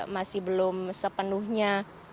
masih belum sepenuhnya